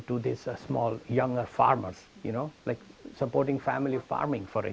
seperti memanfaatkan perusahaan memanfaatkan perusahaan dan membuat perusahaan kembali ke dunia